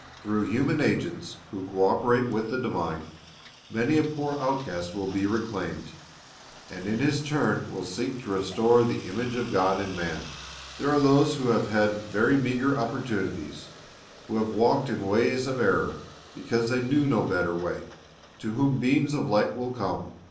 Through human agents who co operate with the divine, many a poor outcast will be reclaimed, and in his turn will seek to restore the image of God in man. There are those who have had very meager opportunities, who have walked in ways of error because they knew no better way, to whom beams of light will come.